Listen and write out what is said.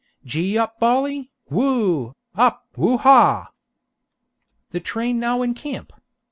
Gee up Bolly! whoo, up, whoo haw!" The train now encamp.